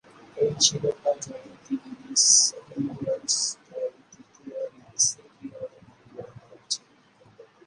এই শিরোপা জয়ে তিনি মিস ইউনিভার্স জয়ী তৃতীয় মেক্সিকীয় মহিলা হয়েছেন।